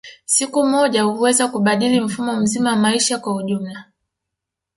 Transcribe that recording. Siku moja huweza kubadili mfumo mzima wa maisha kwa ujumla